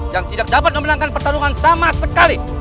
yang tidak dapat memenangkan pertarungan sama sekali